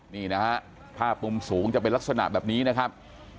นี่นะฮะภาพมุมสูงจะเป็นลักษณะแบบนี้นะครับ